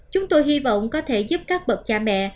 chúng tôi hy vọng có thể giúp các bậc cha mẹ